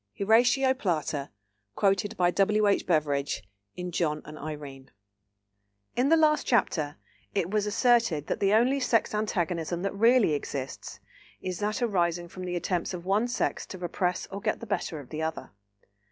—HORATIO PLATA (quoted by W. H. BEVERIDGE, in John and Irene). In the last chapter it was asserted that the only sex antagonism that really exists is that arising from the attempts of one sex to repress or get the better of the other.